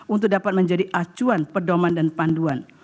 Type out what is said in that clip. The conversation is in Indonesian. untuk dapat menjadi acuan pedoman dan panduan